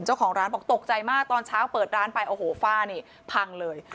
เจ้าของร้านบอกตกใจมากตอนเช้าเปิดร้านไปโอ้โหฝ้านี่พังเลย